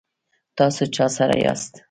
تاسو چا سره یاست؟